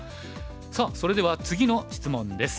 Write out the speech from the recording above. さあそれでは次の質問です。